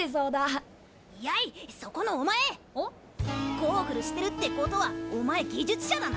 ゴーグルしてるってことはお前技術者だな！？